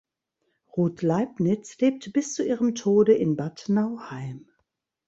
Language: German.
Ruth Leibnitz lebte bis zu ihrem Tode in Bad Nauheim.